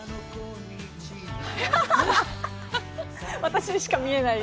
私にしか見えない。